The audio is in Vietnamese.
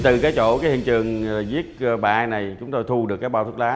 từ hiện trường viết bài này chúng tôi thu được bỏ bao thuốc lá